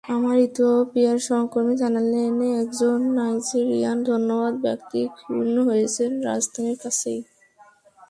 আমার ইথিওপিয়ার সহকর্মী জানালেন, একজন নাইজেরিয়ান ধনবান ব্যক্তি খুন হয়েছেন রাজধানীর কাছেই।